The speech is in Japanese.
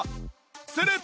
すると